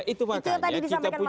itu tadi disampaikan mas hasan